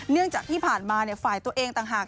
เนื่องจากที่ผ่านมาฝ่ายตัวเองต่างหาก